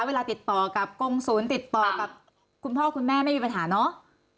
เวลาติดต่อกับกรงศูนย์ติดต่อกับคุณพ่อคุณแม่ไม่มีปัญหาเนอะ